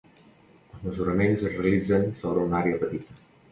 Els mesuraments es realitzen sobre una àrea petita.